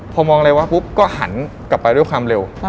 พอมองอะไรวะปุ๊บก็หันกลับไปด้วยความเร็ว